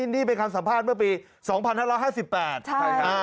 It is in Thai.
นี่เป็นคำสัมภาษณ์เมื่อปี๒๕๕๘ใช่ครับ